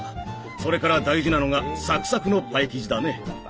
それから大事なのがサクサクのパイ生地だね。